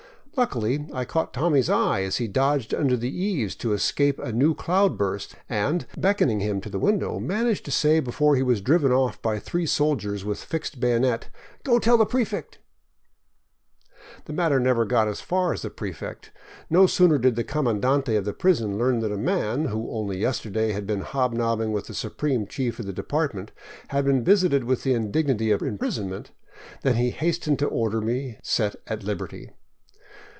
Luckily, I caught Tommy's eye as he dodged under the eaves to escape a new cloud burst and, beckoning him to the window, managed to say, before he was driven off by three soldiers with fixed bayonets, " Go tell the prefect ..." The matter never got as far as the prefect. No sooner did the comandante of the prison learn that a man, who only yesterday had been hobnobbing with the supreme chief of the department, had been visited with the indignity of imprisonment, than he hastened to order me set at liberty.